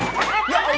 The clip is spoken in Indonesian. daripada ayah dipecat